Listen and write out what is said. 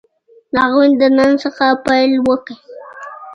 هغوی له نن څخه پيل وکړ.